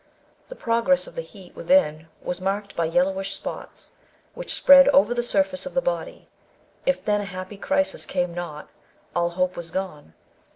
The progress of the heat within was marked by yellowish spots, which spread over the surface of the body. If, then, a happy crisis came not, all hope was gone.